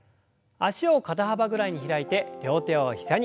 脚を肩幅ぐらいに開いて両手を膝に。